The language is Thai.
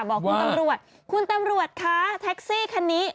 บอกคุณตำรวจคุณตำรวจคะแท็กซี่คันนี้